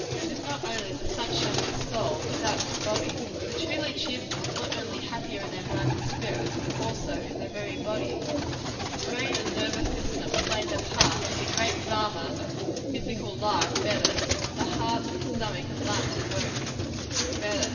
It is not only the "sunshine of the soul," but that of the body. The truly cheerful are not only happier in their minds and spirits, but also in their very bodies. The brain and nervous system play their part in the great drama of physical life better; the heart, and stomach, and lungs, work better.